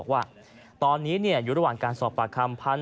ว่าตอนนี้อยู่ระหว่างการสอบปากคำ